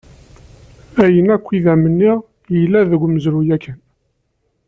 Ayen akk i d-am-nniɣ yella deg umezruy yakkan.